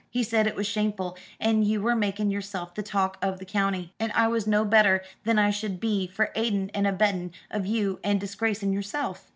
He said it was shameful, and you were makin' yourself the talk of the county, and I was no better than I should be for aidin' and abettin' of you in disgracin' yourself.